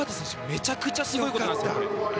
めちゃくちゃすごいことなんです。